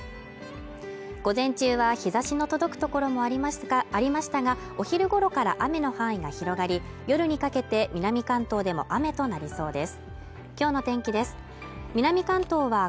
午前中は日差しの届くところもありましたがお昼ごろから雨の範囲が広がり夜にかけて南関東でも雨となりそうです